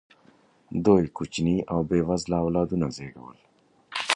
دوی کوچني او بې وزله اولادونه زېږول.